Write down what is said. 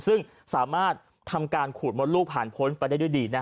ซึ่งสามารถทำการขูดมดลูกผ่านพ้นไปได้ด้วยดี